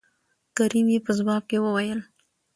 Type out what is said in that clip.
کريم يې په ځواب کې وويل